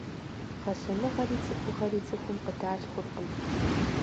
Гъэсэныгъэри цӏыхугъэри цӏыхум къыдалъхуркъым.